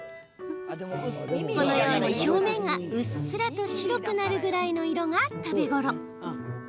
このように表面がうっすらと白くなるぐらいの色が食べ頃。